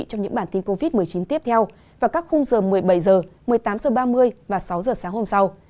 trong những bản tin covid một mươi chín tiếp theo vào các khung giờ một mươi bảy h một mươi tám h ba mươi và sáu h sáng hôm sau